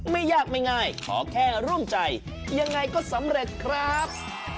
ไม่ยากไม่ง่ายขอแค่ร่วมใจยังไงก็สำเร็จครับ